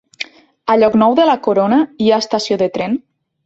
A Llocnou de la Corona hi ha estació de tren?